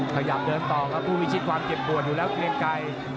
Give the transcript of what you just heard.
ขยับเดินต่อครับผู้พิชิตความเจ็บปวดอยู่แล้วเกลียงไกร